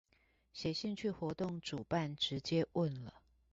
寫信去活動主辦直接問了